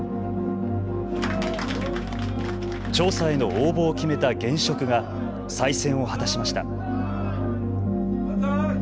調査への応募を決めた現職が再選を果たしました。